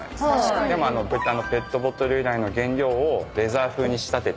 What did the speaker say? でもペットボトル由来の原料をレザー風に仕立てて。